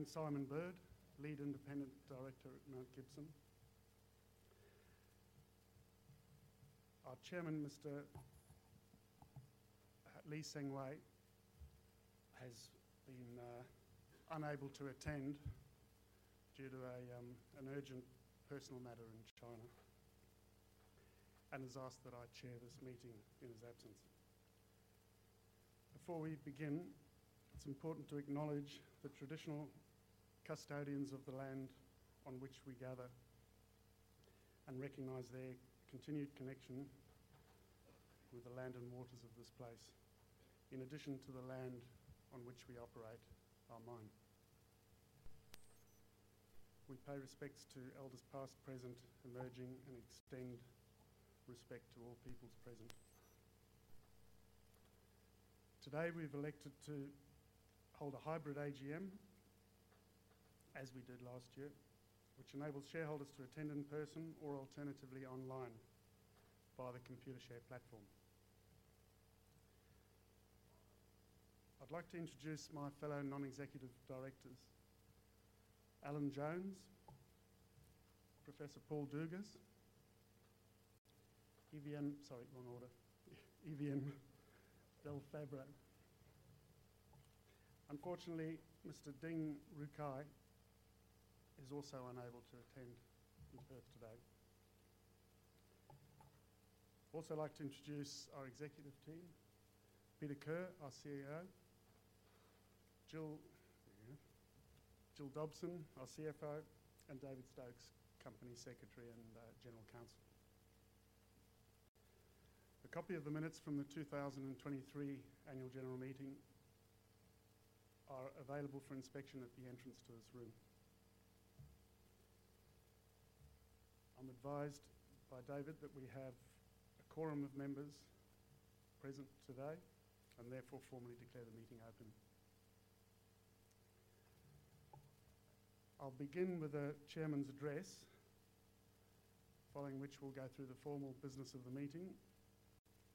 My name's Simon Bird, Lead Independent Director at Mount Gibson. Our Chairman, Mr. Lee Seng-Hui, has been unable to attend due to an urgent personal matter in China and has asked that I chair this meeting in his absence. Before we begin, it's important to acknowledge the traditional custodians of the land on which we gather and recognize their continued connection with the land and waters of this place, in addition to the land on which we operate, our mine. We pay respects to Elders past, present, emerging, and extend respect to all peoples present. Today, we've elected to hold a hybrid AGM, as we did last year, which enables shareholders to attend in person or alternatively online via the Computershare platform. I'd like to introduce my fellow non-executive directors: Alan Jones, Professor Paul Dougas, Evian—sorry, wrong order—Evian Delfabbro. Unfortunately, Mr. Ding Rucai is also unable to attend in person today. I'd also like to introduce our executive team: Peter Kerr, our CEO; Gill Dobson, our CFO; and David Stokes, Company Secretary and General Counsel. A copy of the minutes from the 2023 Annual General Meeting are available for inspection at the entrance to this room. I'm advised by David that we have a quorum of members present today and therefore formally declare the meeting open. I'll begin with the Chairman's address, following which we'll go through the formal business of the meeting,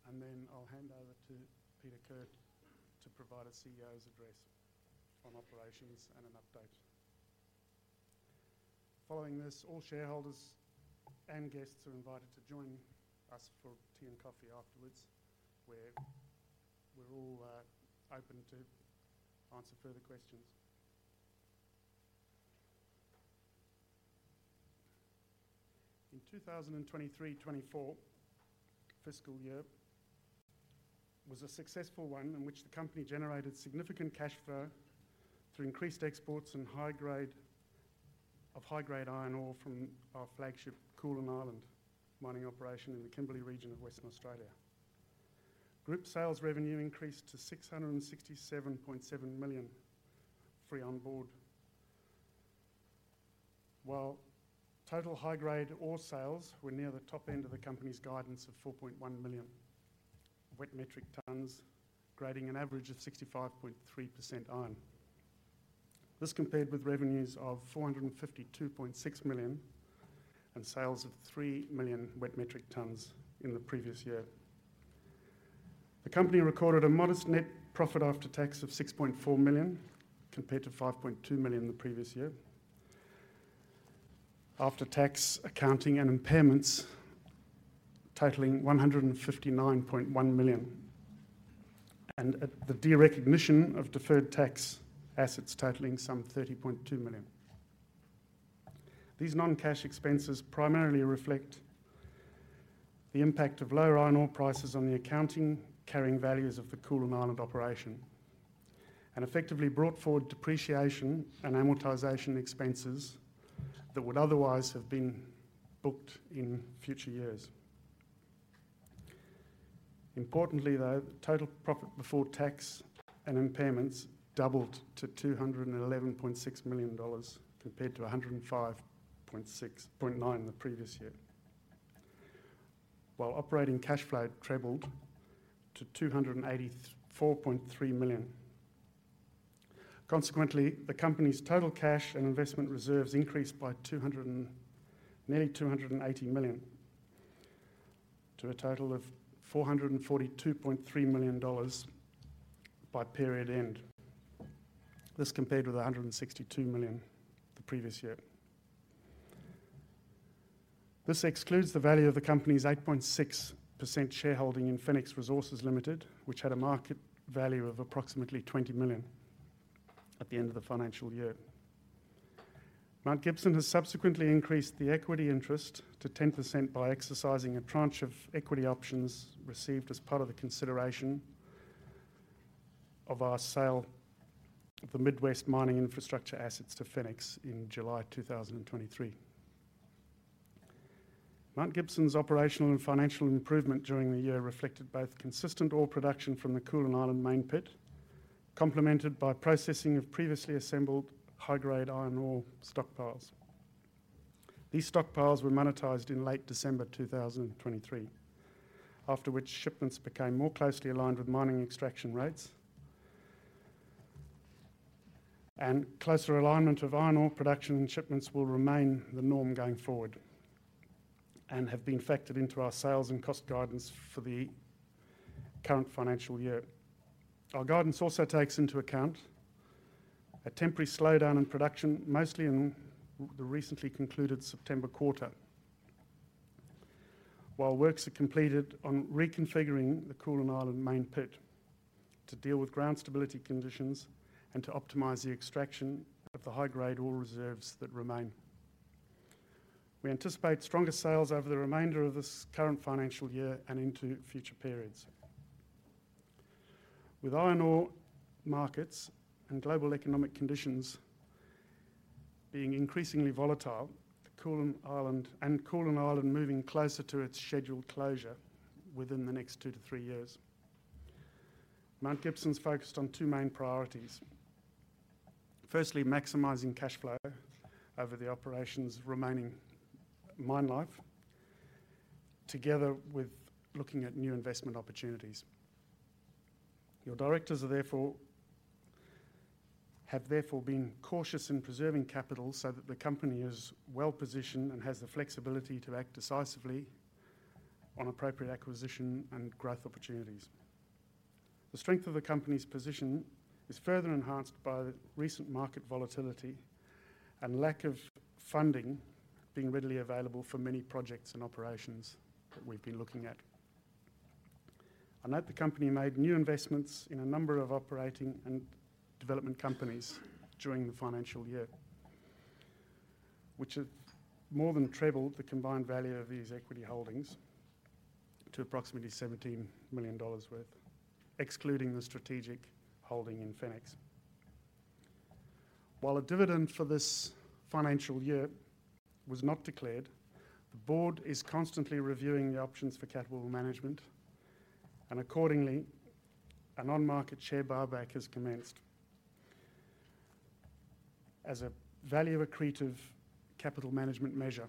and then I'll hand over to Peter Kerr to provide a CEO's address on operations and an update. Following this, all shareholders and guests are invited to join us for tea and coffee afterwards, where we're all open to answer further questions. In 2023-24 fiscal year, it was a successful one in which the company generated significant cash flow through increased exports of high-grade iron ore from our flagship Koolan Island mining operation in the Kimberley region of Western Australia. Group sales revenue increased to 667.7 million free on board, while total high-grade ore sales were near the top end of the company's guidance of 4.1 million wet metric tons, grading an average of 65.3% iron. This compared with revenues of 452.6 million and sales of 3 million wet metric tons in the previous year. The company recorded a modest net profit after tax of 6.4 million compared to 5.2 million the previous year, after tax accounting and impairments totaling 159.1 million, and the de-recognition of deferred tax assets totaling some 30.2 million. These non-cash expenses primarily reflect the impact of lower iron ore prices on the accounting carrying values of the Koolan Island operation and effectively brought forward depreciation and amortization expenses that would otherwise have been booked in future years. Importantly, though, total profit before tax and impairments doubled to 211.6 million dollars compared to 105.9 million the previous year, while operating cash flow trebled to 284.3 million. Consequently, the company's total cash and investment reserves increased by nearly 280 million to a total of 442.3 million dollars by period end. This compared with 162 million the previous year. This excludes the value of the company's 8.6% shareholding in Fenix Resources Limited, which had a market value of approximately 20 million at the end of the financial year. Mount Gibson has subsequently increased the equity interest to 10% by exercising a tranche of equity options received as part of the consideration of our sale of the Midwest mining infrastructure assets to Fenix in July 2023. Mount Gibson's operational and financial improvement during the year reflected both consistent ore production from the Koolan Island main pit, complemented by processing of previously assembled high-grade iron ore stockpiles. These stockpiles were monetized in late December 2023, after which shipments became more closely aligned with mining extraction rates, and closer alignment of iron ore production and shipments will remain the norm going forward and have been factored into our sales and cost guidance for the current financial year. Our guidance also takes into account a temporary slowdown in production, mostly in the recently concluded September quarter, while works are completed on reconfiguring the Koolan Island main pit to deal with ground stability conditions and to optimize the extraction of the high-grade ore reserves that remain. We anticipate stronger sales over the remainder of this current financial year and into future periods. With iron ore markets and global economic conditions being increasingly volatile and Koolan Island moving closer to its scheduled closure within the next two to three years, Mount Gibson's focused on two main priorities: firstly, maximizing cash flow over the operations remaining mine life, together with looking at new investment opportunities. Your directors have therefore been cautious in preserving capital so that the company is well positioned and has the flexibility to act decisively on appropriate acquisition and growth opportunities. The strength of the company's position is further enhanced by recent market volatility and lack of funding being readily available for many projects and operations that we've been looking at. I note the company made new investments in a number of operating and development companies during the financial year, which have more than trebled the combined value of these equity holdings to approximately 17 million dollars worth, excluding the strategic holding in Fenix. While a dividend for this financial year was not declared, the board is constantly reviewing the options for capital management, and accordingly, a non-market share buyback has commenced as a value accretive capital management measure.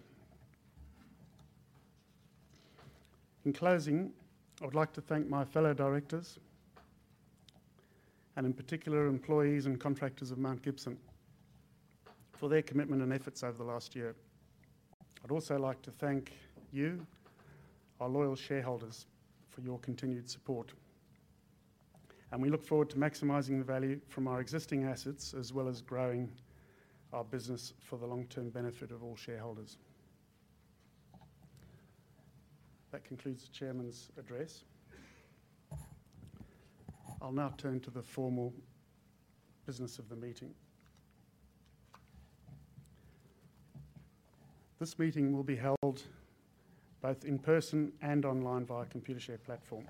In closing, I would like to thank my fellow directors, and in particular, employees and contractors of Mount Gibson, for their commitment and efforts over the last year. I'd also like to thank you, our loyal shareholders, for your continued support, and we look forward to maximizing the value from our existing assets as well as growing our business for the long-term benefit of all shareholders. That concludes the Chairman's address. I'll now turn to the formal business of the meeting. This meeting will be held both in person and online via Computershare platform.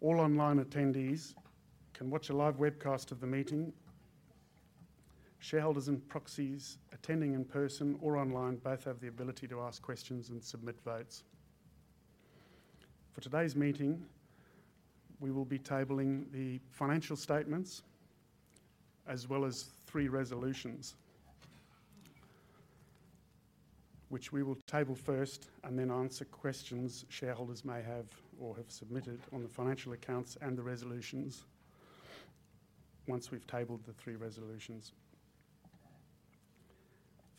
All online attendees can watch a live webcast of the meeting. Shareholders and proxies attending in person or online both have the ability to ask questions and submit votes. For today's meeting, we will be tabling the financial statements as well as three resolutions, which we will table first and then answer questions shareholders may have or have submitted on the financial accounts and the resolutions once we've tabled the three resolutions.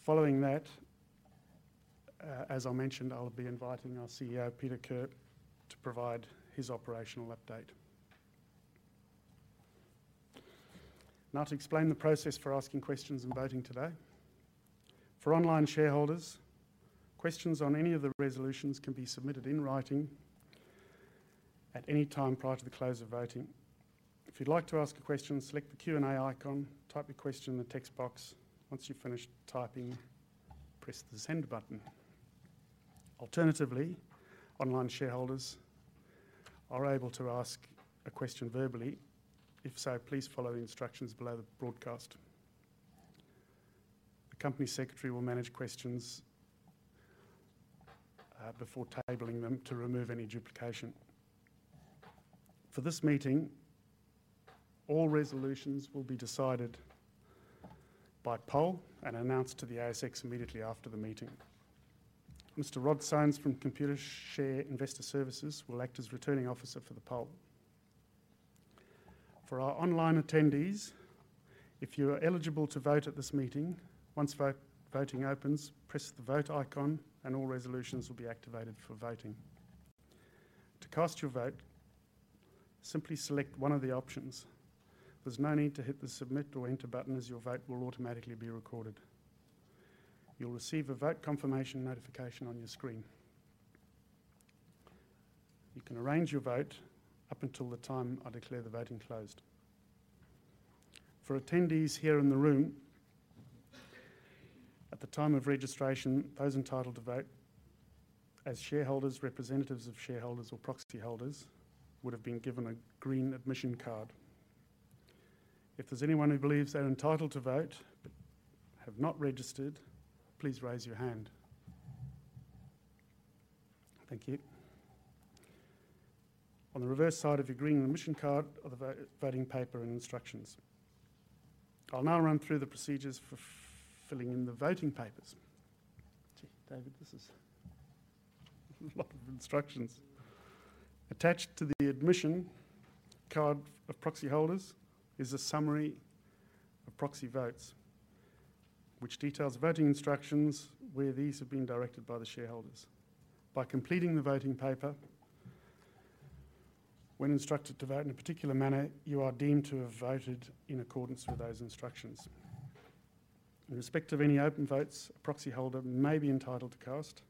Following that, as I mentioned, I'll be inviting our CEO, Peter Kerr, to provide his operational update. Now to explain the process for asking questions and voting today. For online shareholders, questions on any of the resolutions can be submitted in writing at any time prior to the close of voting. If you'd like to ask a question, select the Q&A icon, type your question in the text box. Once you've finished typing, press the send button. Alternatively, online shareholders are able to ask a question verbally. If so, please follow the instructions below the broadcast. The company secretary will manage questions before tabling them to remove any duplication. For this meeting, all resolutions will be decided by poll and announced to the ASX immediately after the meeting. Mr. Rod Sones from Computershare Investor Services will act as returning officer for the poll. For our online attendees, if you are eligible to vote at this meeting, once voting opens, press the vote icon and all resolutions will be activated for voting. To cast your vote, simply select one of the options. There's no need to hit the submit or enter button as your vote will automatically be recorded. You'll receive a vote confirmation notification on your screen. You can arrange your vote up until the time I declare the voting closed. For attendees here in the room, at the time of registration, those entitled to vote as shareholders, representatives of shareholders, or proxy holders would have been given a green admission card. If there's anyone who believes they're entitled to vote but have not registered, please raise your hand. Thank you. On the reverse side of your green admission card are the voting paper and instructions. I'll now run through the procedures for filling in the voting papers. Gee, David, this is a lot of instructions. Attached to the admission card of proxy holders is a summary of proxy votes, which details voting instructions, where these have been directed by the shareholders. By completing the voting paper, when instructed to vote in a particular manner, you are deemed to have voted in accordance with those instructions. In respect of any open votes, a proxy holder may be entitled to cast.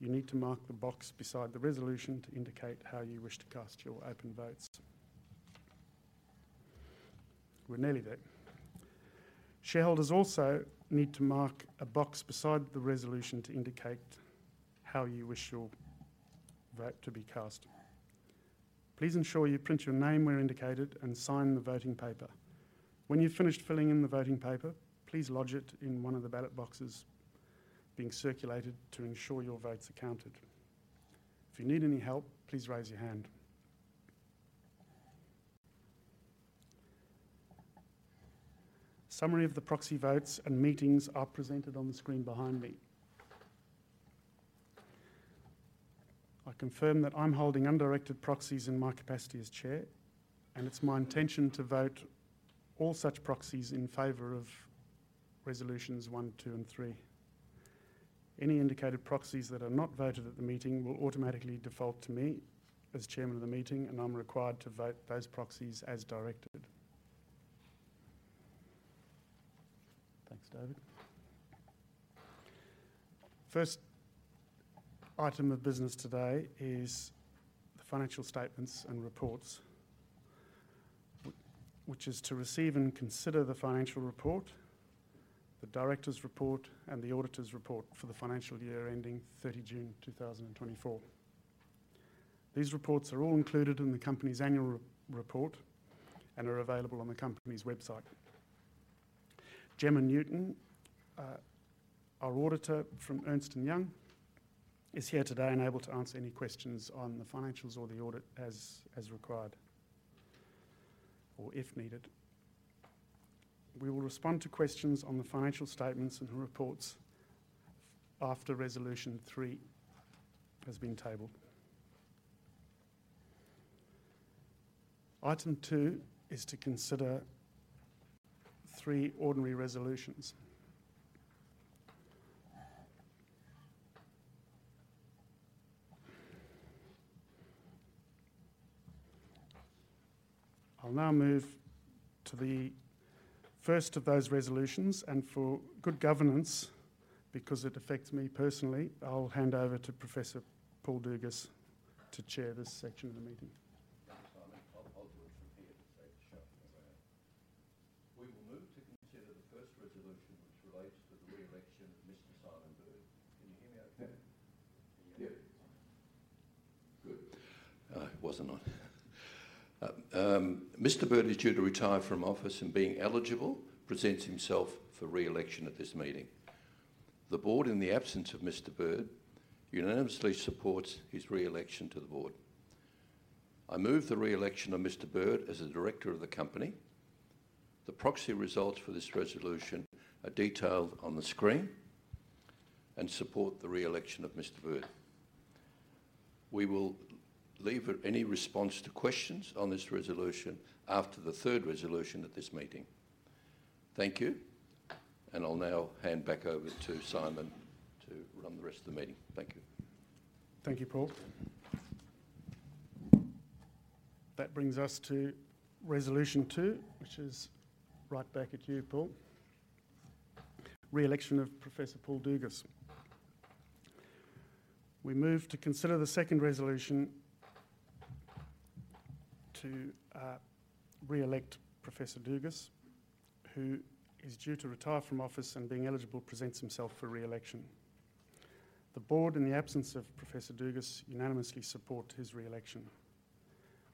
You need to mark the box beside the resolution to indicate how you wish to cast your open votes. We're nearly there. Shareholders also need to mark a box beside the resolution to indicate how you wish your vote to be cast. Please ensure you print your name where indicated and sign the voting paper. When you've finished filling in the voting paper, please lodge it in one of the ballot boxes being circulated to ensure your votes are counted. If you need any help, please raise your hand. Summary of the proxy votes and meetings are presented on the screen behind me. I confirm that I'm holding undirected proxies in my capacity as chair, and it's my intention to vote all such proxies in favor of resolutions one, two, and three. Any indicated proxies that are not voted at the meeting will automatically default to me as chairman of the meeting, and I'm required to vote those proxies as directed. Thanks, David. First item of business today is the financial statements and reports, which is to receive and consider the financial report, the director's report, and the auditor's report for the financial year ending 30 June 2024. These reports are all included in the company's annual report and are available on the company's website. Gemma Newton, our auditor from Ernst & Young, is here today and able to answer any questions on the financials or the audit as required or if needed. We will respond to questions on the financial statements and reports after resolution three has been tabled. Item two is to consider three ordinary resolutions. I'll now move to the first of those resolutions, and for good governance, because it affects me personally, I'll hand over to Professor Paul Dougas to chair this section of the meeting. Thanks, Simon. I'll do it from here to say to show him where we will move to consider the first resolution, which relates to the re-election of Mr. Simon Bird. Can you hear me okay? Yeah. Good. It wasn't on. Mr. Bird is due to retire from office and, being eligible, presents himself for re-election at this meeting. The board, in the absence of Mr. Bird, unanimously supports his re-election to the board. I move the re-election of Mr. Bird as a director of the company. The proxy results for this resolution are detailed on the screen and support the re-election of Mr. Bird. We will leave any response to questions on this resolution after the third resolution at this meeting. Thank you, and I'll now hand back over to Simon to run the rest of the meeting. Thank you. Thank you, Paul. That brings us to resolution two, which is right back at you, Paul. Re-election of Professor Paul Dougas. We move to consider the second resolution to re-elect Professor Dougas, who is due to retire from office and, being eligible, presents himself for re-election. The board, in the absence of Professor Dougas, unanimously supports his re-election.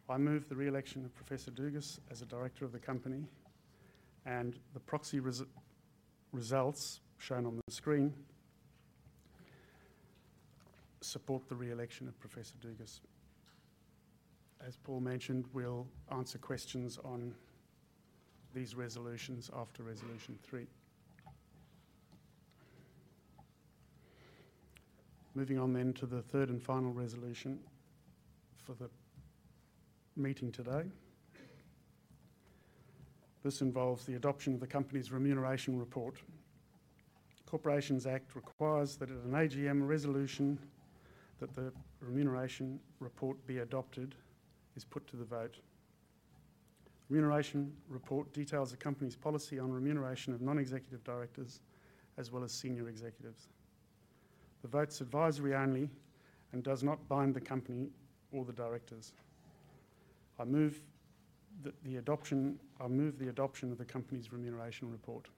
I move the re-election of Professor Dougas as a director of the company, and the proxy results shown on the screen support the re-election of Professor Dougas. As Paul mentioned, we'll answer questions on these resolutions after resolution three. Moving on then to the third and final resolution for the meeting today. This involves the adoption of the company's remuneration report. Corporations Act requires that at an AGM resolution that the remuneration report be adopted is put to the vote. The remuneration report details the company's policy on remuneration of non-executive directors as well as senior executives. The vote's advisory only and does not bind the company or the directors. I move the adoption of the company's remuneration report.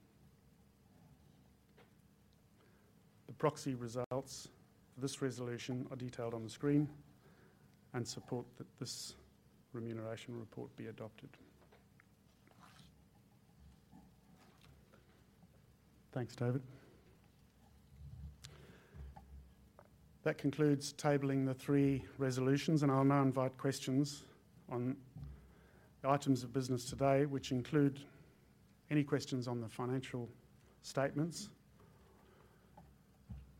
The proxy results for this resolution are detailed on the screen and support that this remuneration report be adopted. Thanks, David. That concludes tabling the three resolutions, and I'll now invite questions on the items of business today, which include any questions on the financial statements,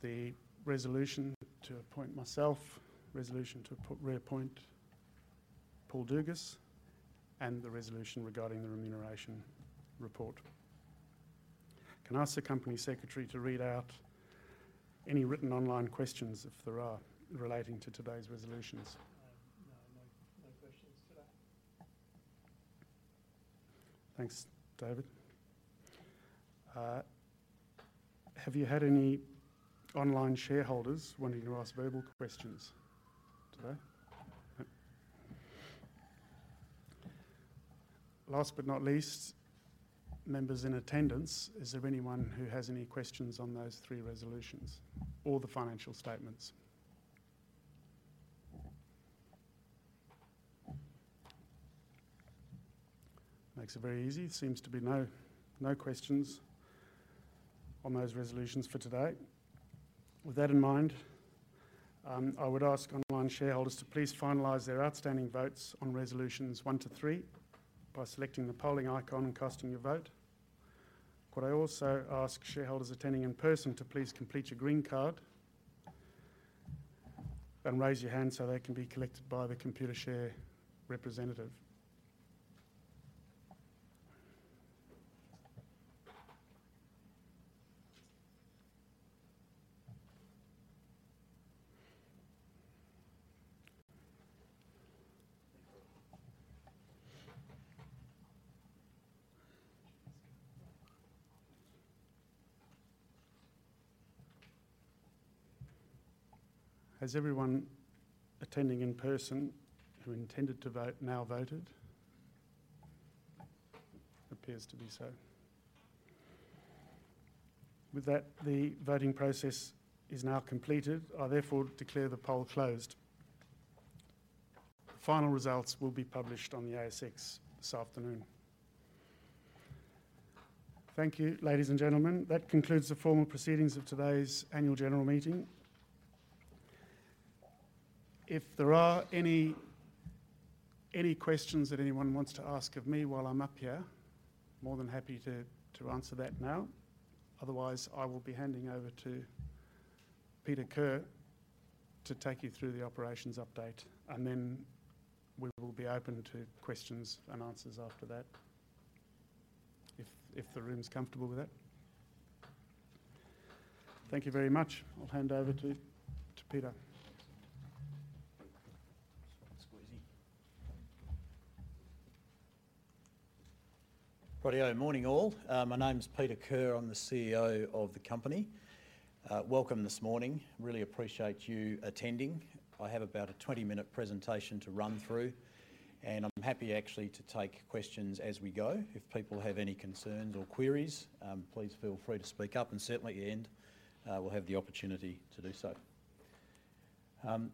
the resolution to appoint myself, the resolution to reappoint Paul Dougas, and the resolution regarding the remuneration report. Can I ask the company secretary to read out any written online questions, if there are, relating to today's resolutions? No, no questions today. Thanks, David. Have you had any online shareholders wanting to ask verbal questions today? No. Last but not least, members in attendance, is there anyone who has any questions on those three resolutions or the financial statements? Makes it very easy. Seems to be no questions on those resolutions for today. With that in mind, I would ask online shareholders to please finalize their outstanding votes on resolutions one to three by selecting the polling icon and casting your vote. Could I also ask shareholders attending in person to please complete your green card and raise your hand so they can be collected by the Computershare representative? Has everyone attending in person who intended to vote now voted? Appears to be so. With that, the voting process is now completed. I therefore declare the poll closed. The final results will be published on the ASX this afternoon. Thank you, ladies and gentlemen. That concludes the formal proceedings of today's annual general meeting. If there are any questions that anyone wants to ask of me while I'm up here, more than happy to answer that now. Otherwise, I will be handing over to Peter Kerr to take you through the operations update, and then we will be open to questions and answers after that, if the room's comfortable with that. Thank you very much. I'll hand over to Peter. Righty-o, morning all. My name's Peter Kerr. I'm the CEO of the company. Welcome this morning. Really appreciate you attending. I have about a 20-minute presentation to run through, and I'm happy actually to take questions as we go. If people have any concerns or queries, please feel free to speak up, and certainly at the end, we'll have the opportunity to do so.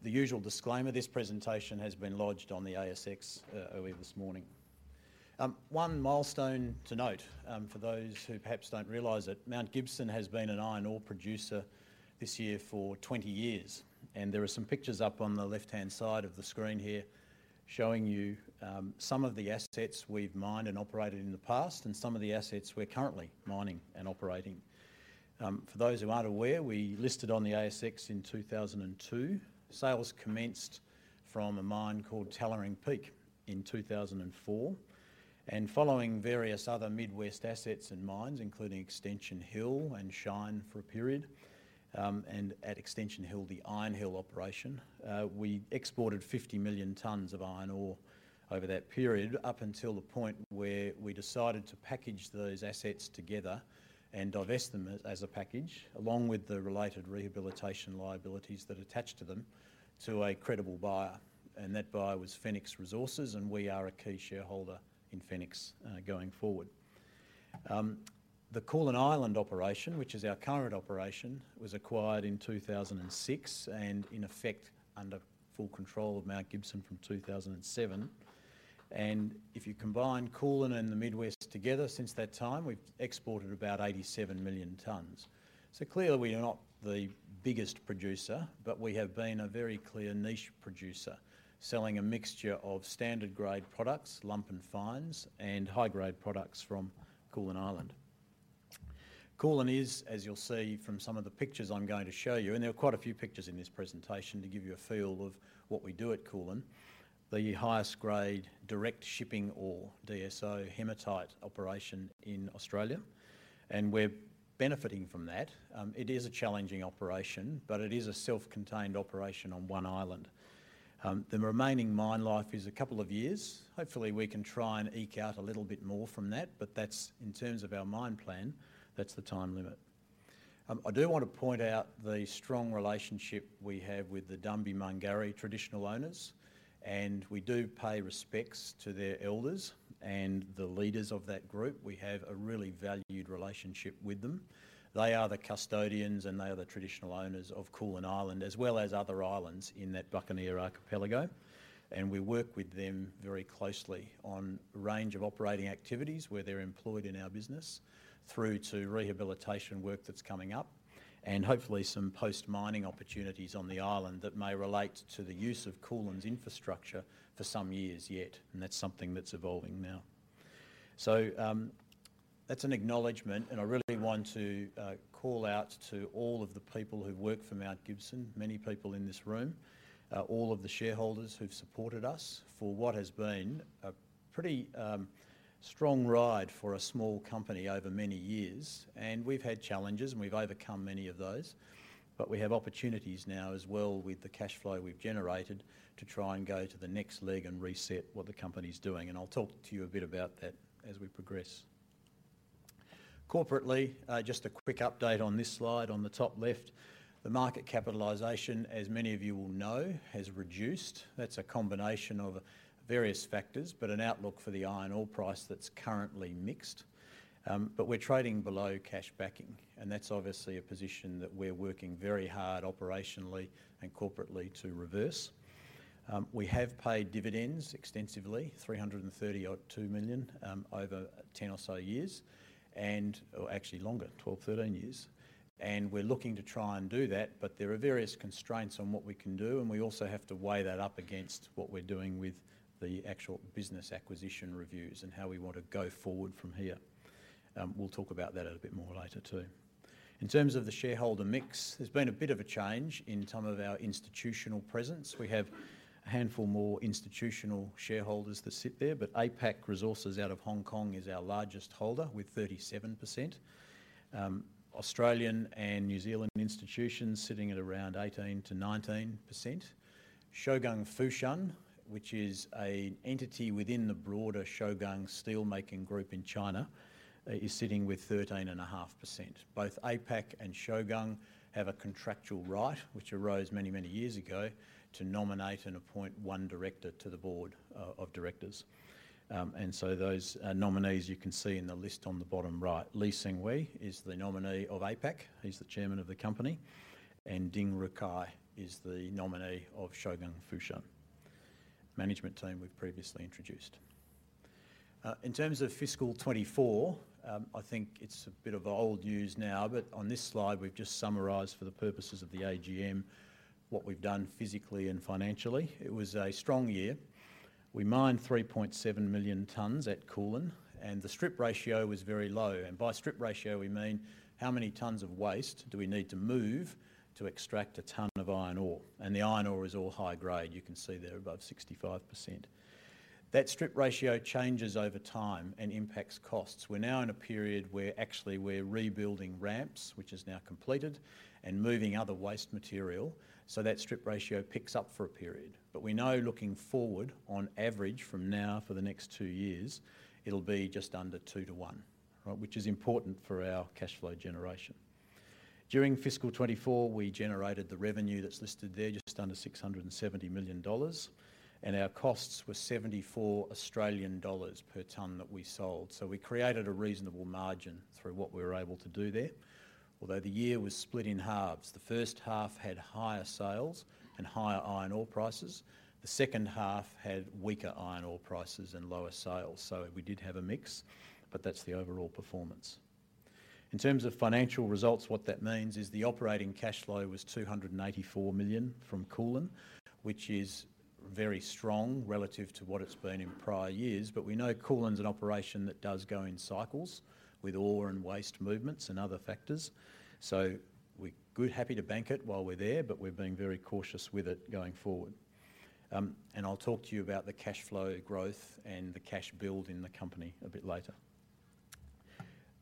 The usual disclaimer: this presentation has been lodged on the ASX earlier this morning. One milestone to note for those who perhaps don't realize it, Mount Gibson has been an iron ore producer this year for 20 years, and there are some pictures up on the left-hand side of the screen here showing you some of the assets we've mined and operated in the past and some of the assets we're currently mining and operating. For those who aren't aware, we listed on the ASX in 2002. Sales commenced from a mine called Tallering Peak in 2004, and following various other Midwest assets and mines, including Extension Hill and Shine for a period, and at Extension Hill, the Iron Hill operation, we exported 50 million tons of iron ore over that period up until the point where we decided to package those assets together and divest them as a package along with the related rehabilitation liabilities that attach to them to a credible buyer, and that buyer was Fenix Resources, and we are a key shareholder in Fenix going forward. The Koolan Island operation, which is our current operation, was acquired in 2006 and, in effect, under full control of Mount Gibson from 2007, and if you combine Koolan and the Midwest together since that time, we've exported about 87 million tons. So clearly, we are not the biggest producer, but we have been a very clear niche producer selling a mixture of standard-grade products, lump and fines, and high-grade products from Koolan Island. Koolan is, as you'll see from some of the pictures I'm going to show you, and there are quite a few pictures in this presentation to give you a feel of what we do at Koolan, the highest-grade direct shipping ore, DSO, hematite operation in Australia, and we're benefiting from that. It is a challenging operation, but it is a self-contained operation on one island. The remaining mine life is a couple of years. Hopefully, we can try and eke out a little bit more from that, but that's in terms of our mine plan, that's the time limit. I do want to point out the strong relationship we have with the Dambimangari traditional owners, and we do pay respects to their elders and the leaders of that group. We have a really valued relationship with them. They are the custodians, and they are the traditional owners of Koolan Island as well as other islands in that Buccaneer Archipelago, and we work with them very closely on a range of operating activities where they're employed in our business through to rehabilitation work that's coming up and hopefully some post-mining opportunities on the island that may relate to the use of Koolan's infrastructure for some years yet, and that's something that's evolving now. So that's an acknowledgement, and I really want to call out to all of the people who work for Mount Gibson, many people in this room, all of the shareholders who've supported us for what has been a pretty strong ride for a small company over many years. And we've had challenges, and we've overcome many of those, but we have opportunities now as well with the cash flow we've generated to try and go to the next leg and reset what the company's doing, and I'll talk to you a bit about that as we progress. Corporately, just a quick update on this slide on the top left. The market capitalization, as many of you will know, has reduced. That's a combination of various factors, but an outlook for the iron ore price that's currently mixed. But we're trading below cash backing, and that's obviously a position that we're working very hard operationally and corporately to reverse. We have paid dividends extensively, 332 million over 10 or so years and actually longer, 12-13 years. And we're looking to try and do that, but there are various constraints on what we can do, and we also have to weigh that up against what we're doing with the actual business acquisition reviews and how we want to go forward from here. We'll talk about that a bit more later too. In terms of the shareholder mix, there's been a bit of a change in some of our institutional presence. We have a handful more institutional shareholders that sit there, but APAC Resources out of Hong Kong is our largest holder with 37%. Australian and New Zealand institutions sitting at around 18%-19%. Shougang Fushan, which is an entity within the broader Shougang steelmaking group in China, is sitting with 13.5%. Both APAC and Shougang have a contractual right, which arose many, many years ago, to nominate and appoint one director to the board of directors, and so those nominees you can see in the list on the bottom right. Lee Seng-Hui is the nominee of APAC. He's the chairman of the company, and Ding Rucai is the nominee of Shougang Fushan, management team we've previously introduced. In terms of fiscal 2024, I think it's a bit of old news now, but on this slide, we've just summarized for the purposes of the AGM what we've done physically and financially. It was a strong year. We mined 3.7 million tons at Koolan, and the strip ratio was very low. And by strip ratio, we mean how many tons of waste do we need to move to extract a ton of iron ore? And the iron ore is all high grade. You can see there above 65%. That strip ratio changes over time and impacts costs. We're now in a period where actually we're rebuilding ramps, which is now completed, and moving other waste material. So that strip ratio picks up for a period. But we know looking forward, on average from now for the next two years, it'll be just under 2 to 1, which is important for our cash flow generation. During fiscal 2024, we generated the revenue that's listed there just under 670 million dollars, and our costs were 74 Australian dollars per ton that we sold. So we created a reasonable margin through what we were able to do there. Although the year was split in halves, the first half had higher sales and higher iron ore prices. The second half had weaker iron ore prices and lower sales. So we did have a mix, but that's the overall performance. In terms of financial results, what that means is the operating cash flow was 284 million from Koolan, which is very strong relative to what it's been in prior years. But we know Koolan's an operation that does go in cycles with ore and waste movements and other factors. So we're good, happy to bank it while we're there, but we're being very cautious with it going forward. And I'll talk to you about the cash flow growth and the cash build in the company a bit later.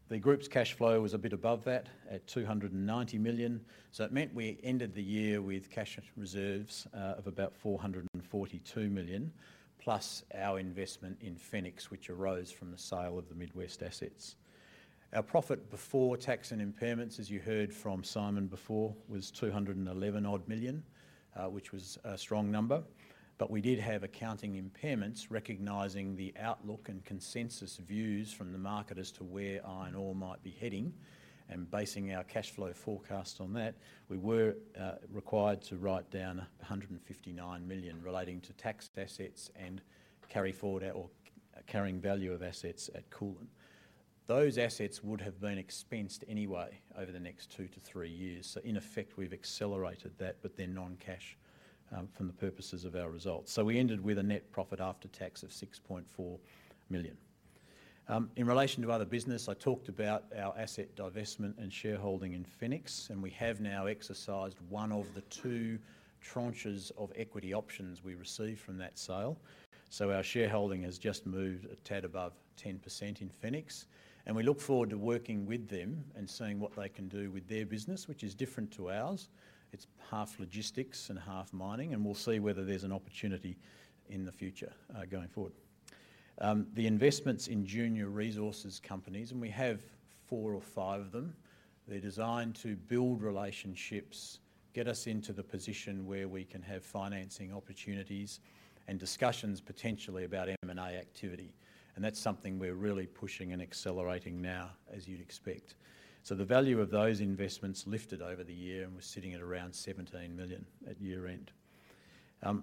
The group's cash flow was a bit above that at 290 million. So it meant we ended the year with cash reserves of about 442 million, plus our investment in Fenix, which arose from the sale of the Midwest assets. Our profit before tax and impairments, as you heard from Simon before, was 211-odd million, which was a strong number. But we did have accounting impairments recognizing the outlook and consensus views from the market as to where iron ore might be heading and basing our cash flow forecast on that. We were required to write down 159 million relating to tax assets and carry forward or carrying value of assets at Koolan. Those assets would have been expensed anyway over the next two to three years. So in effect, we've accelerated that, but it's non-cash for the purposes of our results. So we ended with a net profit after tax of 6.4 million. In relation to other business, I talked about our asset divestment and shareholding in Fenix, and we have now exercised one of the two tranches of equity options we received from that sale. So our shareholding has just moved a tad above 10% in Fenix. And we look forward to working with them and seeing what they can do with their business, which is different to ours. It's half logistics and half mining, and we'll see whether there's an opportunity in the future going forward. The investments in junior resources companies, and we have four or five of them, they're designed to build relationships, get us into the position where we can have financing opportunities and discussions potentially about M&A activity. And that's something we're really pushing and accelerating now, as you'd expect. So the value of those investments lifted over the year, and we're sitting at around 17 million at year-end.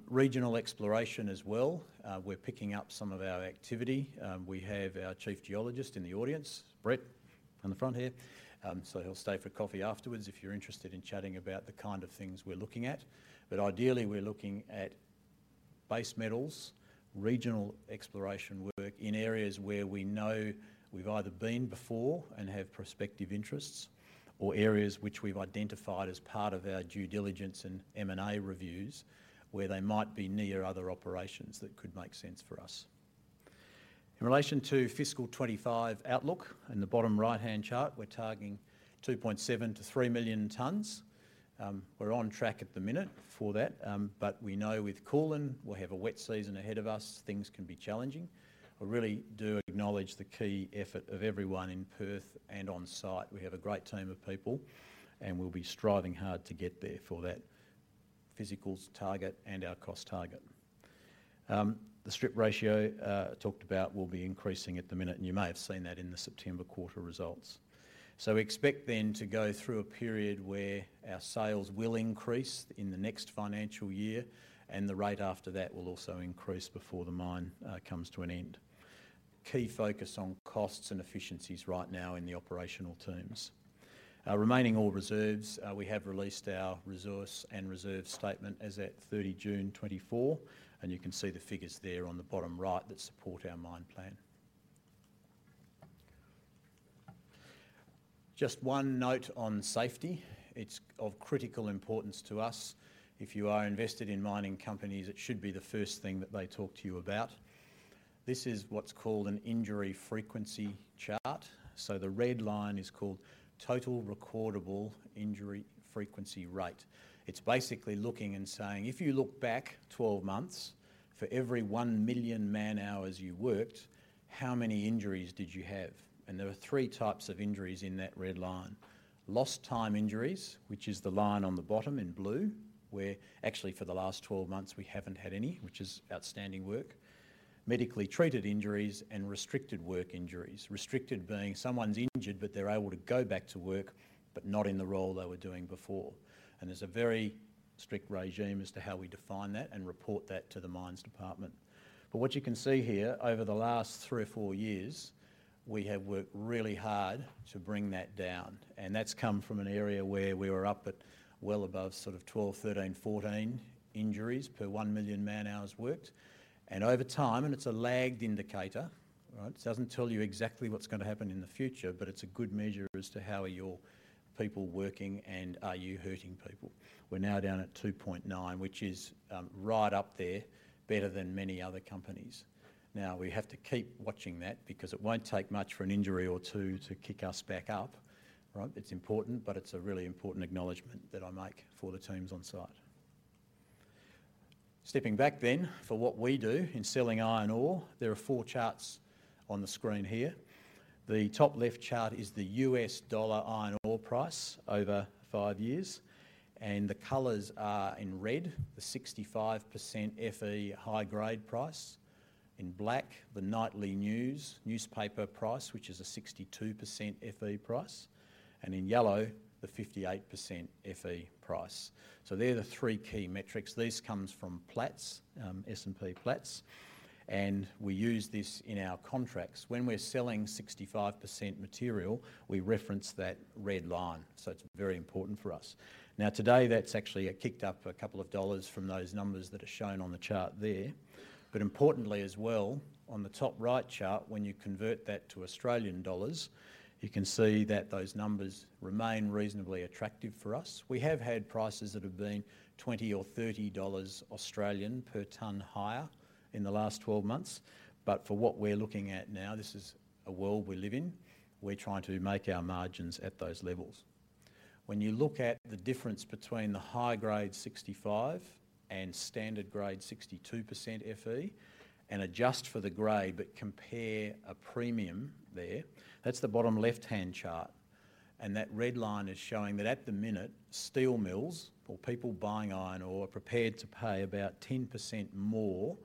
Regional exploration as well. We're picking up some of our activity. We have our chief geologist in the audience, Brett on the front here. So he'll stay for coffee afterwards if you're interested in chatting about the kind of things we're looking at. But ideally, we're looking at base metals, regional exploration work in areas where we know we've either been before and have prospective interests, or areas which we've identified as part of our due diligence and M&A reviews where they might be near other operations that could make sense for us. In relation to fiscal 2025 outlook, in the bottom right-hand chart, we're targeting 2.7-3 million tons. We're on track at the minute for that, but we know with Koolan, we'll have a wet season ahead of us. Things can be challenging. I really do acknowledge the key effort of everyone in Perth and on site. We have a great team of people, and we'll be striving hard to get there for that physical target and our cost target. The strip ratio talked about will be increasing at the minute, and you may have seen that in the September quarter results. So we expect then to go through a period where our sales will increase in the next financial year, and the rate after that will also increase before the mine comes to an end. Key focus on costs and efficiencies right now in the operational terms. Remaining ore reserves, we have released our resource and reserve statement as at 30 June 2024, and you can see the figures there on the bottom right that support our mine plan. Just one note on safety. It's of critical importance to us. If you are invested in mining companies, it should be the first thing that they talk to you about. This is what's called an injury frequency chart. So the red line is called total recordable injury frequency rate. It's basically looking and saying, if you look back 12 months, for every one million man-hours you worked, how many injuries did you have? There were three types of injuries in that red line: lost time injuries, which is the line on the bottom in blue, where actually for the last 12 months we haven't had any, which is outstanding work. Medically treated injuries. And restricted work injuries. Restricted being someone's injured, but they're able to go back to work, but not in the role they were doing before, and there's a very strict regime as to how we define that and report that to the mines department, but what you can see here, over the last three or four years, we have worked really hard to bring that down, and that's come from an area where we were up at well above sort of 12, 13, 14 injuries per 1 million man-hours worked, and over time, and it's a lagged indicator, right? It doesn't tell you exactly what's going to happen in the future, but it's a good measure as to how are your people working and are you hurting people. We're now down at 2.9, which is right up there, better than many other companies. Now, we have to keep watching that because it won't take much for an injury or two to kick us back up, right? It's important, but it's a really important acknowledgement that I make for the teams on site. Stepping back then for what we do in selling iron ore, there are four charts on the screen here. The top left chart is the US dollar iron ore price over five years, and the colors are in red, the 65% FE high-grade price, in black, the nightly news newspaper price, which is a 62% FE price, and in yellow, the 58% FE price. So they're the three key metrics. This comes from Platts, S&P Platts. And we use this in our contracts. When we're selling 65% material, we reference that red line. So it's very important for us. Now, today that's actually kicked up a couple of dollars from those numbers that are shown on the chart there. But importantly as well, on the top right chart, when you convert that to Australian dollars, you can see that those numbers remain reasonably attractive for us. We have had prices that have been 20 or 30 Australian dollars per tonne higher in the last 12 months. But for what we're looking at now, this is a world we live in. We're trying to make our margins at those levels. When you look at the difference between the high-grade 65 and standard-grade 62% Fe and adjust for the grade, but compare a premium there, that's the bottom left-hand chart. And that red line is showing that at the minute, steel mills or people buying iron ore are prepared to pay about 10% more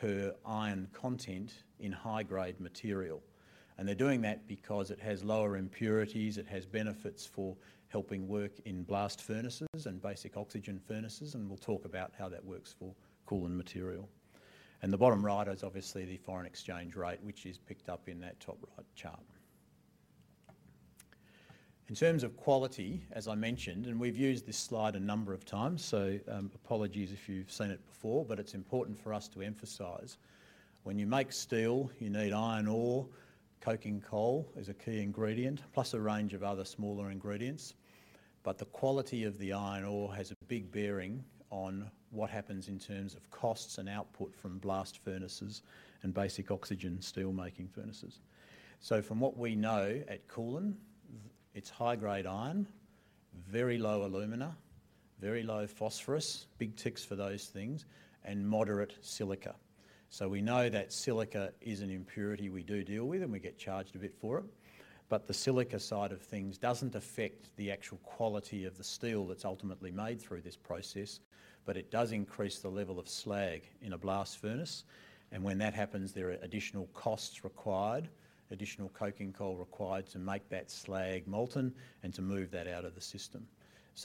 per iron content in high-grade material. They're doing that because it has lower impurities. It has benefits for helping work in blast furnaces and basic oxygen furnaces. We'll talk about how that works for Koolan material. The bottom right is obviously the foreign exchange rate, which is picked up in that top right chart. In terms of quality, as I mentioned, and we've used this slide a number of times, so apologies if you've seen it before, but it's important for us to emphasize. When you make steel, you need iron ore. Coking coal is a key ingredient, plus a range of other smaller ingredients. But the quality of the iron ore has a big bearing on what happens in terms of costs and output from blast furnaces and basic oxygen steelmaking furnaces. From what we know at Koolan, it's high-grade iron, very low alumina, very low phosphorus, big ticks for those things, and moderate silica. We know that silica is an impurity we do deal with, and we get charged a bit for it. The silica side of things doesn't affect the actual quality of the steel that's ultimately made through this process, but it does increase the level of slag in a blast furnace. When that happens, there are additional costs required, additional coking coal required to make that slag molten and to move that out of the system.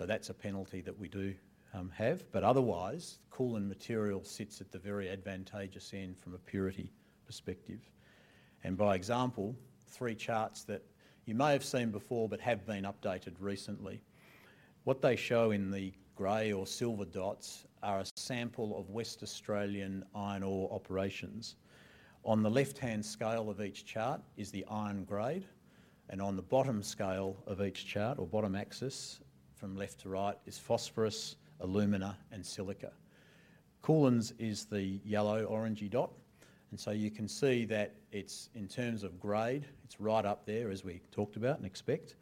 That's a penalty that we do have. Otherwise, Koolan material sits at the very advantageous end from a purity perspective. By example, three charts that you may have seen before but have been updated recently. What they show in the grey or silver dots are a sample of Western Australian iron ore operations. On the left-hand scale of each chart is the iron grade, and on the bottom scale of each chart or bottom axis from left to right is phosphorus, alumina, and silica. Koolan is the yellow orangey dot, and so you can see that it's in terms of grade, it's right up there as we talked about and expect,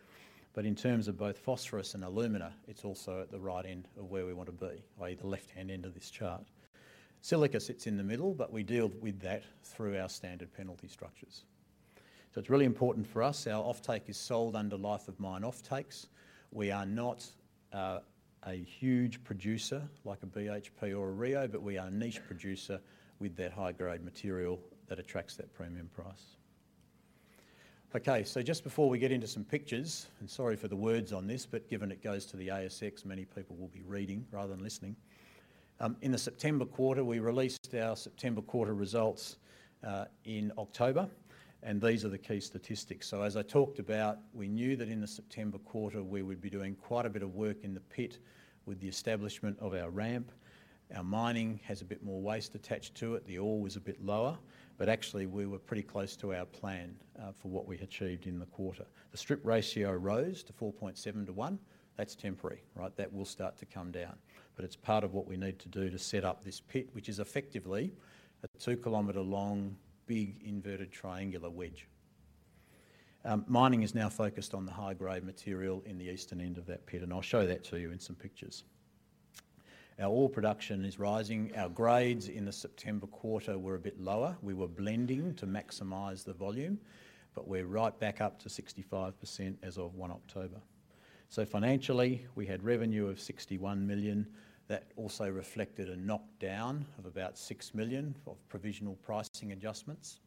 but in terms of both phosphorus and alumina, it's also at the right end of where we want to be, i.e., the left-hand end of this chart. Silica sits in the middle, but we deal with that through our standard penalty structures, so it's really important for us. Our offtake is sold under life-of-mine offtakes. We are not a huge producer like a BHP or a Rio, but we are a niche producer with that high-grade material that attracts that premium price. Okay. So just before we get into some pictures, and sorry for the words on this, but given it goes to the ASX, many people will be reading rather than listening. In the September quarter, we released our September quarter results in October. And these are the key statistics. So as I talked about, we knew that in the September quarter, we would be doing quite a bit of work in the pit with the establishment of our ramp. Our mining has a bit more waste attached to it. The ore was a bit lower. But actually, we were pretty close to our plan for what we achieved in the quarter. The strip ratio rose to 4.7 to 1. That's temporary, right? That will start to come down. But it's part of what we need to do to set up this pit, which is effectively a two-kilometer-long big inverted triangular wedge. Mining is now focused on the high-grade material in the eastern end of that pit, and I'll show that to you in some pictures. Our ore production is rising. Our grades in the September quarter were a bit lower. We were blending to maximize the volume, but we're right back up to 65% as of 1 October. So financially, we had revenue of 61 million. That also reflected a knockdown of about 6 million of provisional pricing adjustments.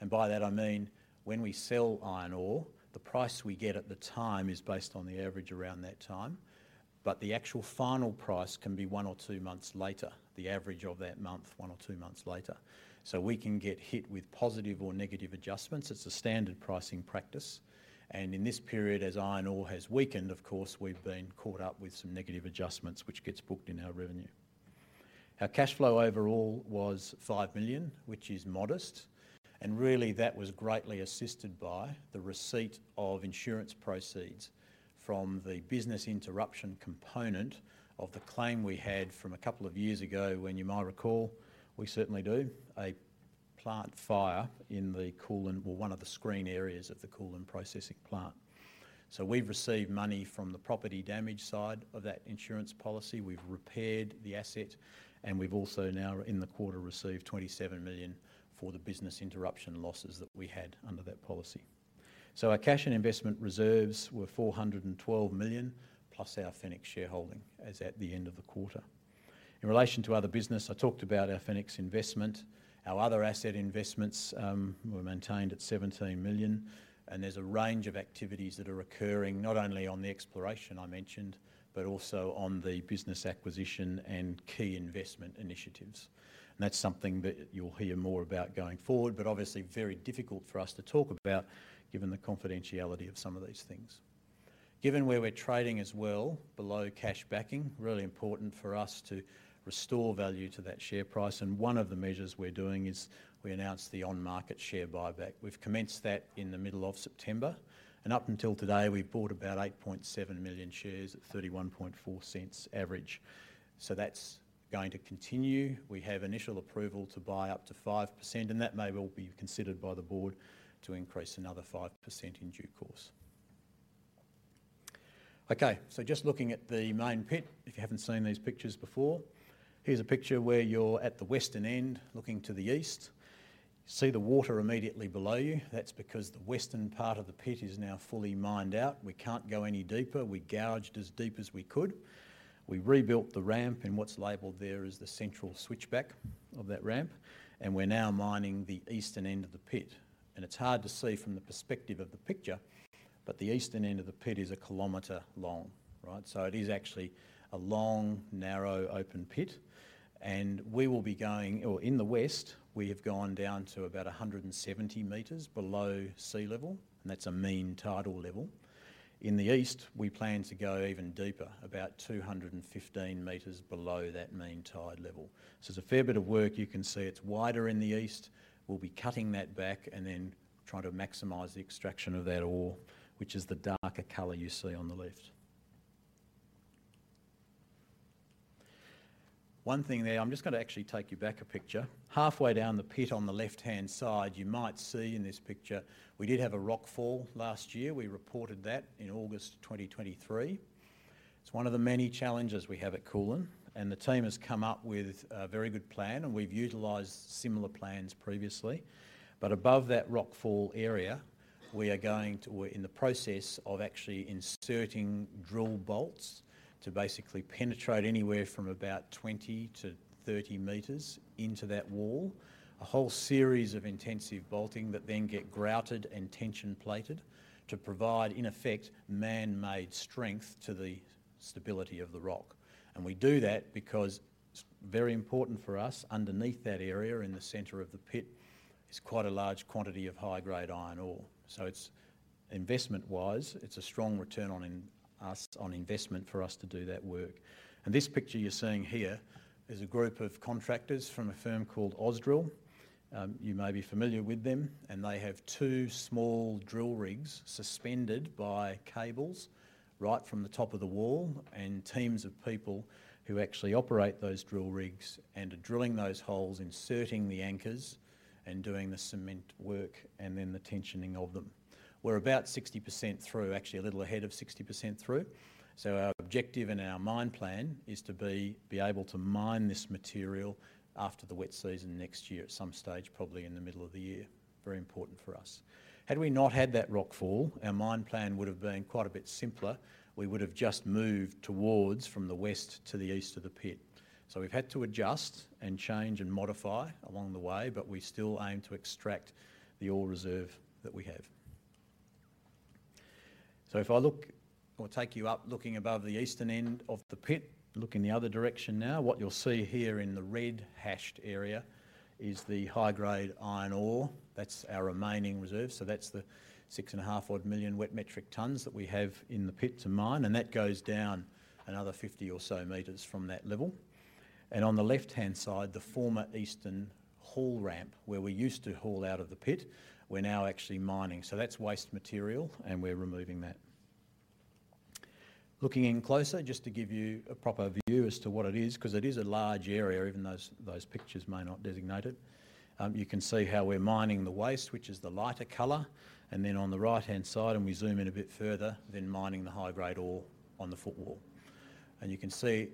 And by that, I mean when we sell iron ore, the price we get at the time is based on the average around that time. But the actual final price can be one or two months later, the average of that month, one or two months later. So we can get hit with positive or negative adjustments. It's a standard pricing practice. And in this period, as iron ore has weakened, of course, we've been caught up with some negative adjustments, which gets booked in our revenue. Our cash flow overall was 5 million, which is modest. And really, that was greatly assisted by the receipt of insurance proceeds from the business interruption component of the claim we had from a couple of years ago when you might recall, we certainly do, a plant fire in the Koolan, one of the screen areas at the Koolan processing plant. So we've received money from the property damage side of that insurance policy. We've repaired the asset, and we've also now in the quarter received 27 million for the business interruption losses that we had under that policy. Our cash and investment reserves were 412 million, plus our Fenix shareholding as at the end of the quarter. In relation to other business, I talked about our Fenix investment. Our other asset investments were maintained at 17 million. There's a range of activities that are occurring not only on the exploration I mentioned, but also on the business acquisition and key investment initiatives. That's something that you'll hear more about going forward, but obviously very difficult for us to talk about given the confidentiality of some of these things. Given where we're trading as well, below cash backing, really important for us to restore value to that share price. One of the measures we're doing is we announced the on-market share buyback. We've commenced that in the middle of September. And up until today, we've bought about 8.7 million shares at 0.314 average. So that's going to continue. We have initial approval to buy up to 5%, and that may well be considered by the board to increase another 5% in due course. Okay. So just looking at the main pit, if you haven't seen these pictures before, here's a picture where you're at the western end looking to the east. You see the water immediately below you. That's because the western part of the pit is now fully mined out. We can't go any deeper. We gouged as deep as we could. We rebuilt the ramp, and what's labelled there is the central switchback of that ramp. We're now mining the eastern end of the pit. It's hard to see from the perspective of the picture, but the eastern end of the pit is a kilometer long, right? It is actually a long, narrow, open pit. We will be going, or in the west, we have gone down to about 170 meters below sea level, and that's a mean tidal level. In the east, we plan to go even deeper, about 215 meters below that mean tide level. There's a fair bit of work. You can see it's wider in the east. We'll be cutting that back and then trying to maximize the extraction of that ore, which is the darker color you see on the left. One thing there, I'm just going to actually take you back a picture. Halfway down the pit on the left-hand side, you might see in this picture, we did have a rock fall last year. We reported that in August 2023. It's one of the many challenges we have at Koolan, and the team has come up with a very good plan, and we've utilized similar plans previously, but above that rock fall area, we are going to, we're in the process of actually inserting drill bolts to basically penetrate anywhere from about 20-30 meters into that wall. A whole series of intensive bolting that then get grouted and tension plated to provide, in effect, man-made strength to the stability of the rock, and we do that because it's very important for us underneath that area in the center of the pit is quite a large quantity of high-grade iron ore. It's investment-wise; it's a strong return on investment for us to do that work. This picture you're seeing here is a group of contractors from a firm called Ausdrill. You may be familiar with them, and they have two small drill rigs suspended by cables right from the top of the wall and teams of people who actually operate those drill rigs and are drilling those holes, inserting the anchors, and doing the cement work and then the tensioning of them. We're about 60% through, actually a little ahead of 60% through. Our objective and our mine plan is to be able to mine this material after the wet season next year at some stage, probably in the middle of the year. Very important for us. Had we not had that rock fall, our mine plan would have been quite a bit simpler. We would have just moved towards from the west to the east of the pit. So we've had to adjust and change and modify along the way, but we still aim to extract the ore reserve that we have. So if I look or take you up looking above the eastern end of the pit, look in the other direction now, what you'll see here in the red hashed area is the high-grade iron ore. That's our remaining reserve. So that's the six and a half odd million wet metric tons that we have in the pit to mine. And that goes down another 50 or so meters from that level. And on the left-hand side, the former eastern haul ramp where we used to haul out of the pit, we're now actually mining. So that's waste material, and we're removing that. Looking in closer, just to give you a proper view as to what it is, because it is a large area, even though those pictures may not designate it, you can see how we're mining the waste, which is the lighter color. And then on the right-hand side, and we zoom in a bit further, then mining the high-grade ore on the footwall. And you can see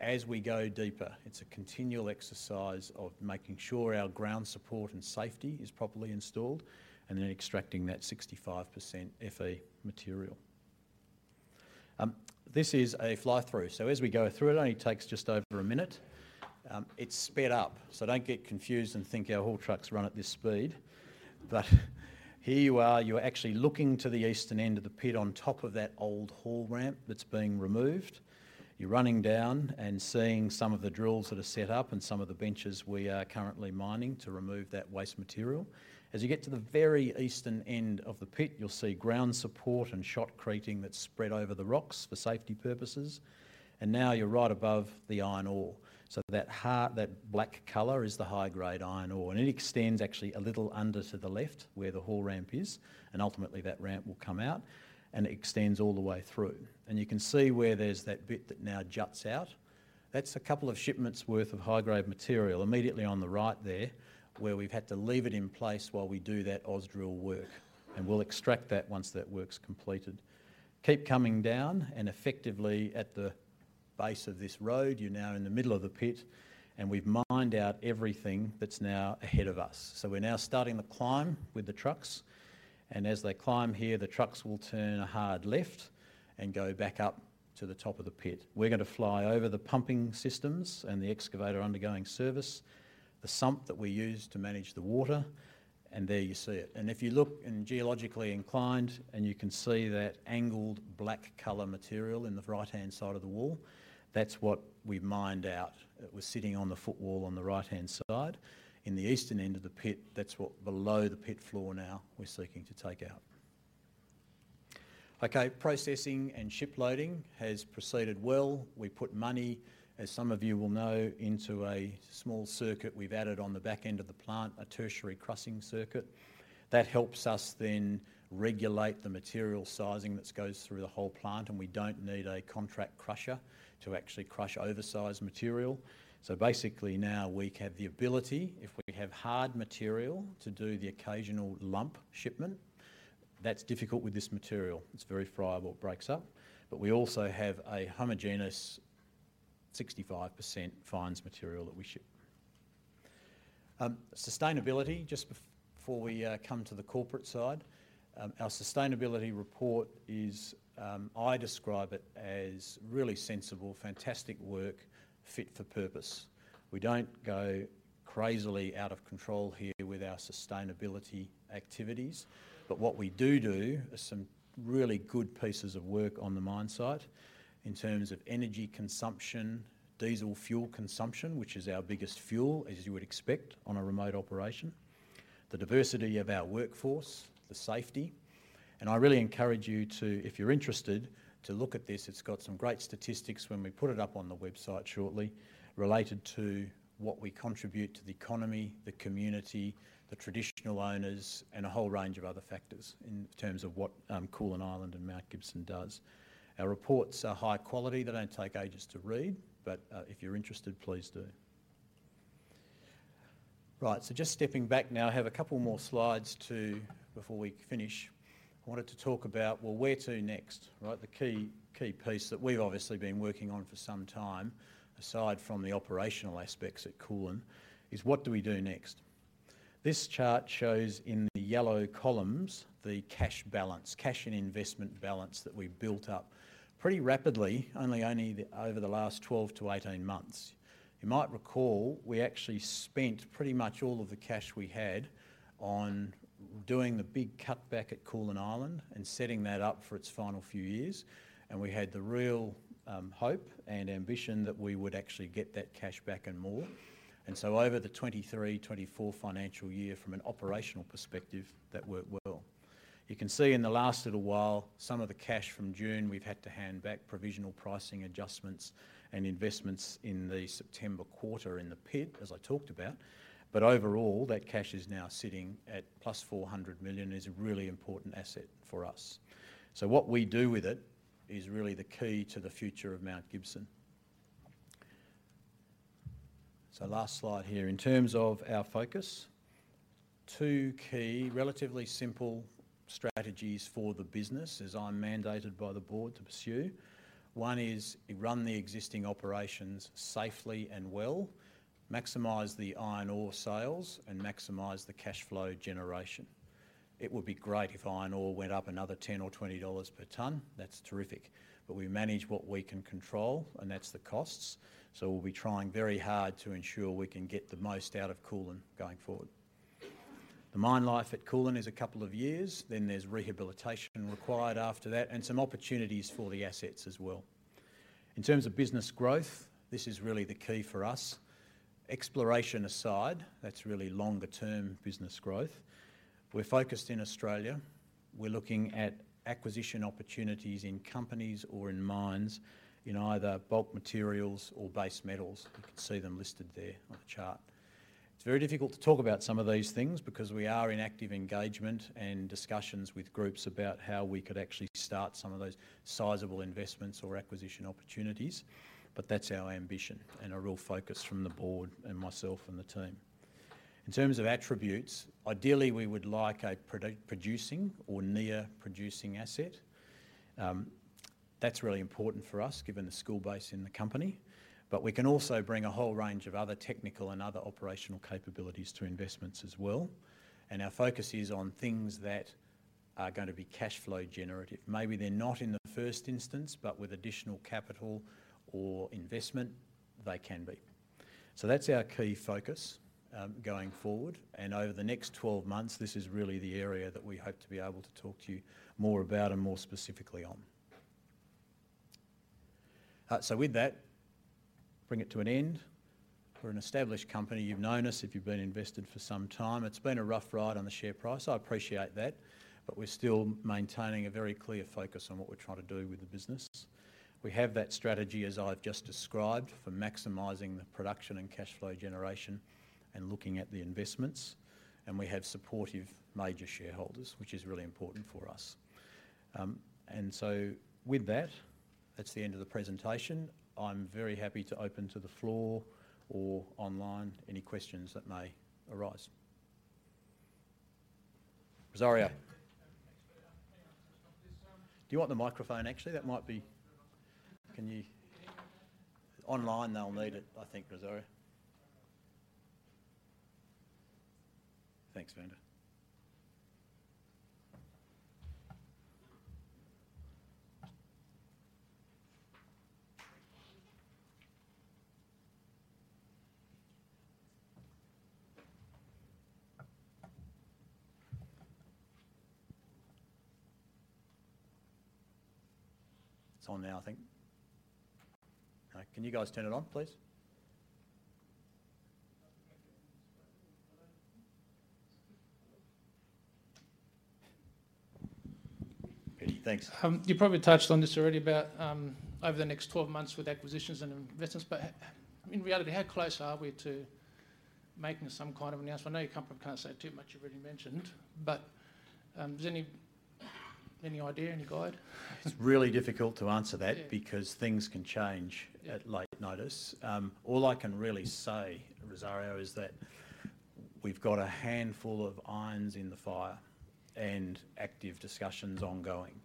as we go deeper, it's a continual exercise of making sure our ground support and safety is properly installed and then extracting that 65% FE material. This is a fly-through. So as we go through, it only takes just over a minute. It's sped up. So don't get confused and think our haul trucks run at this speed. But here you are. You're actually looking to the eastern end of the pit on top of that old haul ramp that's being removed. You're running down and seeing some of the drills that are set up and some of the benches we are currently mining to remove that waste material. As you get to the very eastern end of the pit, you'll see ground support and shotcreting that's spread over the rocks for safety purposes. And now you're right above the iron ore. So that black color is the high-grade iron ore. And it extends actually a little under to the left where the haul ramp is. And ultimately, that ramp will come out and extends all the way through. And you can see where there's that bit that now juts out. That's a couple of shipments' worth of high-grade material immediately on the right there where we've had to leave it in place while we do that Ausdrill work. And we'll extract that once that work's completed. Keep coming down and effectively at the base of this road, you're now in the middle of the pit, and we've mined out everything that's now ahead of us. So we're now starting the climb with the trucks. And as they climb here, the trucks will turn a hard left and go back up to the top of the pit. We're going to fly over the pumping systems and the excavator undergoing service, the sump that we use to manage the water. And there you see it. And if you're geologically inclined, you can see that angled black color material in the right-hand side of the wall, that's what we've mined out. It was sitting on the footwall on the right-hand side. In the eastern end of the pit, that's what below the pit floor now we're seeking to take out. Okay. Processing and shiploading has proceeded well. We put money, as some of you will know, into a small circuit we've added on the back end of the plant, a tertiary crushing circuit. That helps us then regulate the material sizing that goes through the whole plant, and we don't need a contract crusher to actually crush oversized material. So basically now we have the ability, if we have hard material, to do the occasional lump shipment. That's difficult with this material. It's very friable, it breaks up. But we also have a homogenous 65% fines material that we ship. Sustainability, just before we come to the corporate side, our sustainability report is, I describe it as really sensible, fantastic work, fit for purpose. We don't go crazily out of control here with our sustainability activities. But what we do are some really good pieces of work on the mine site in terms of energy consumption, diesel fuel consumption, which is our biggest fuel, as you would expect on a remote operation, the diversity of our workforce, the safety, and I really encourage you to, if you're interested, to look at this. It's got some great statistics when we put it up on the website shortly related to what we contribute to the economy, the community, the traditional owners, and a whole range of other factors in terms of what Koolan Island and Mount Gibson does. Our reports are high quality. They don't take ages to read, but if you're interested, please do. Right, so just stepping back now, I have a couple more slides too before we finish. I wanted to talk about, well, where to next, right? The key piece that we've obviously been working on for some time, aside from the operational aspects at Koolan, is what do we do next? This chart shows in the yellow columns the cash balance, cash and investment balance that we've built up pretty rapidly, only over the last 12-18 months. You might recall we actually spent pretty much all of the cash we had on doing the big cutback at Koolan Island and setting that up for its final few years, and we had the real hope and ambition that we would actually get that cash back and more, and so over the 2023, 2024 financial year from an operational perspective, that worked well. You can see in the last little while some of the cash from June we've had to hand back, provisional pricing adjustments and investments in the September quarter in the pit, as I talked about. But overall, that cash is now sitting at plus 400 million and is a really important asset for us. So what we do with it is really the key to the future of Mount Gibson. So last slide here. In terms of our focus, two key relatively simple strategies for the business, as I'm mandated by the board to pursue. One is run the existing operations safely and well, maximize the iron ore sales, and maximize the cash flow generation. It would be great if iron ore went up another $10 or $20 per tonne. That's terrific. But we manage what we can control, and that's the costs. So we'll be trying very hard to ensure we can get the most out of Koolan going forward. The mine life at Koolan is a couple of years. Then there's rehabilitation required after that and some opportunities for the assets as well. In terms of business growth, this is really the key for us. Exploration aside, that's really longer-term business growth. We're focused in Australia. We're looking at acquisition opportunities in companies or in mines in either bulk materials or base metals. You can see them listed there on the chart. It's very difficult to talk about some of these things because we are in active engagement and discussions with groups about how we could actually start some of those sizable investments or acquisition opportunities. But that's our ambition and a real focus from the board and myself and the team. In terms of attributes, ideally we would like a producing or near-producing asset. That's really important for us given the skill base in the company. But we can also bring a whole range of other technical and other operational capabilities to investments as well. And our focus is on things that are going to be cash flow generative. Maybe they're not in the first instance, but with additional capital or investment, they can be. So that's our key focus going forward. And over the next 12 months, this is really the area that we hope to be able to talk to you more about and more specifically on. So with that, bring it to an end. We're an established company. You've known us if you've been invested for some time. It's been a rough ride on the share price. I appreciate that. But we're still maintaining a very clear focus on what we're trying to do with the business. We have that strategy, as I've just described, for maximizing the production and cash flow generation and looking at the investments. We have supportive major shareholders, which is really important for us. With that, that's the end of the presentation. I'm very happy to open to the floor or online any questions that may arise. Rosario. Do you want the microphone, actually? That might be. Can you? Online, they'll need it, I think, Rosario. Thanks, Vander. It's on now, I think. Can you guys turn it on, please? Peter, thanks. You probably touched on this already about over the next 12 months with acquisitions and investments. But in reality, how close are we to making some kind of announcement? I know you kind of can't say too much. You've already mentioned. But is there any idea, any guide? It's really difficult to answer that because things can change at late notice. All I can really say, Rosario, is that we've got a handful of irons in the fire and active discussions ongoing.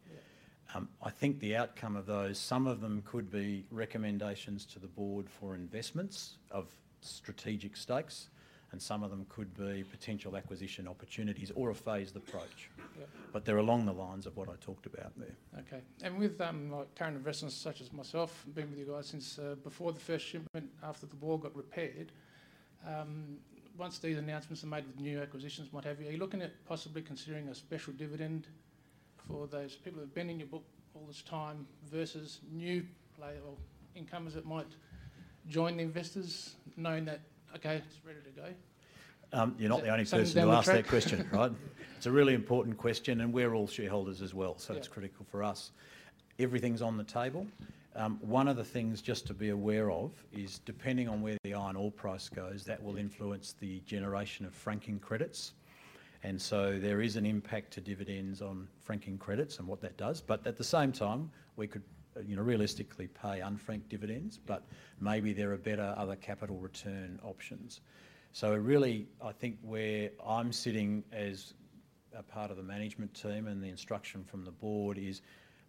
I think the outcome of those, some of them could be recommendations to the board for investments of strategic stakes, and some of them could be potential acquisition opportunities or a phased approach. But they're along the lines of what I talked about there. Okay. And with current investments such as myself, being with you guys since before the first shipment after the wall got repaired, once these announcements are made with new acquisitions, what have you, are you looking at possibly considering a special dividend for those people who have been in your book all this time versus new players or incomers that might join the investors knowing that, okay, it's ready to go? You're not the only person who asked that question, right? It's a really important question, and we're all shareholders as well, so it's critical for us. Everything's on the table. One of the things just to be aware of is depending on where the iron ore price goes, that will influence the generation of franking credits. And so there is an impact to dividends on franking credits and what that does. But at the same time, we could realistically pay unfranked dividends, but maybe there are better other capital return options. So really, I think where I'm sitting as a part of the management team and the instruction from the board is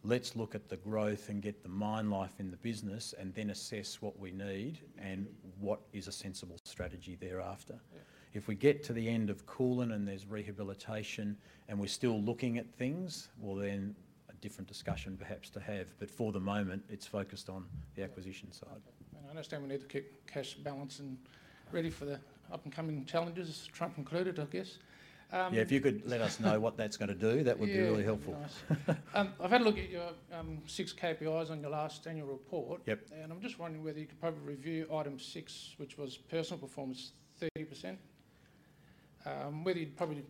let's look at the growth and get the mine life in the business and then assess what we need and what is a sensible strategy thereafter. If we get to the end of Koolan and there's rehabilitation and we're still looking at things, well, then a different discussion perhaps to have. But for the moment, it's focused on the acquisition side. I understand we need to keep cash balance and ready for the up-and-coming challenges, Trump included, I guess. Yeah, if you could let us know what that's going to do, that would be really helpful. I've had a look at your six KPIs on your last annual report. I’m just wondering whether you could probably review item six, which was personal performance, 30%, whether you’d probably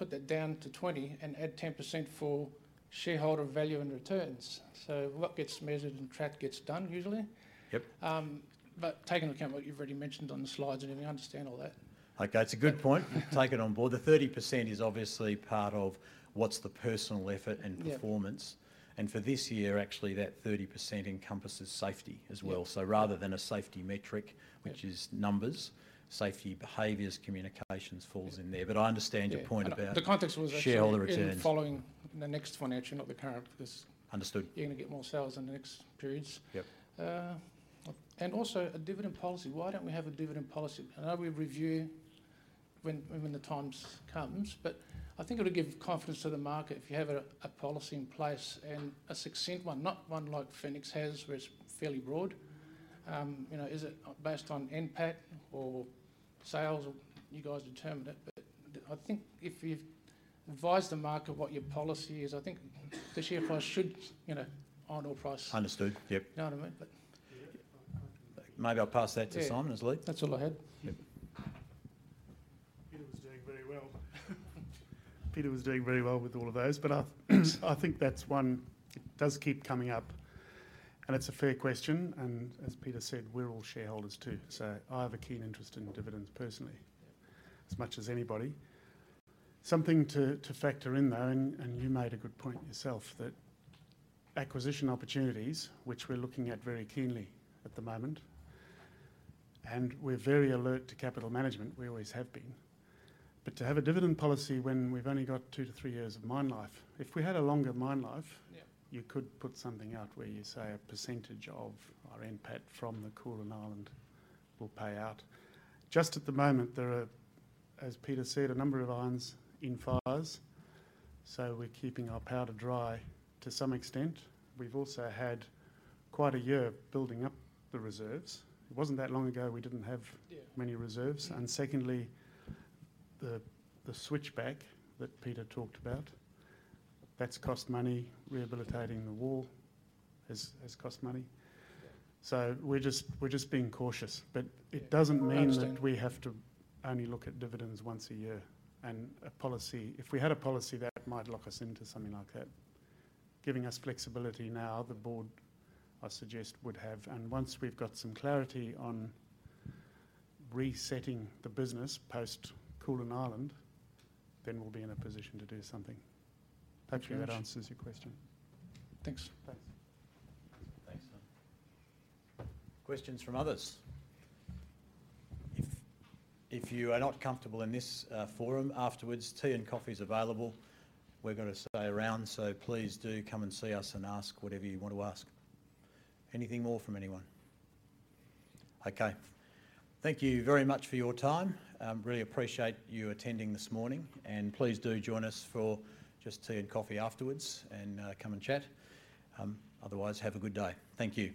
put that down to 20% and add 10% for shareholder value and returns. What gets measured and tracked gets done usually. But taking into account what you’ve already mentioned on the slides, I understand all that. Okay, it’s a good point. Take it on board. The 30% is obviously part of what’s the personal effort and performance. And for this year, actually, that 30% encompasses safety as well. Rather than a safety metric, which is numbers, safety behaviours, communications falls in there. But I understand your point about shareholder returns. The context was actually following the next financial, not the current, because you’re going to get more sales in the next periods. Also a dividend policy. Why don’t we have a dividend policy? I know we review when the time comes, but I think it would give confidence to the market if you have a policy in place and a succinct one, not one like Fenix has, where it's fairly broad. Is it based on NPAT or sales? You guys determine it. But I think if you advise the market what your policy is, I think the share price should iron ore price. Understood. Yep. You know what I mean? But maybe I'll pass that to Simon as well. That's all I had. Peter was doing very well. Peter was doing very well with all of those. But I think that's one that does keep coming up. And it's a fair question. And as Peter said, we're all shareholders too. So I have a keen interest in dividends personally, as much as anybody. Something to factor in, though, and you made a good point yourself, that acquisition opportunities, which we're looking at very keenly at the moment, and we're very alert to capital management, we always have been. But to have a dividend policy when we've only got two to three years of mine life, if we had a longer mine life, you could put something out where you say a percentage of our NPAT from the Koolan Island will pay out. Just at the moment, there are, as Peter said, a number of irons in the fire. So we're keeping our powder dry to some extent. We've also had quite a year building up the reserves. It wasn't that long ago we didn't have many reserves. And secondly, the switchback that Peter talked about, that's cost money. Rehabilitating the wall has cost money. So we're just being cautious. But it doesn't mean that we have to only look at dividends once a year. And if we had a policy, that might lock us into something like that, giving us flexibility now the board, I suggest, would have. And once we've got some clarity on resetting the business post Koolan Island, then we'll be in a position to do something. Hopefully, that answers your question. Thanks. Thanks. Thanks, Simon. Questions from others? If you are not comfortable in this forum afterwards, tea and coffee is available. We're going to stay around. So please do come and see us and ask whatever you want to ask. Anything more from anyone? Okay. Thank you very much for your time. Really appreciate you attending this morning. And please do join us for just tea and coffee afterwards and come and chat. Otherwise, have a good day. Thank you.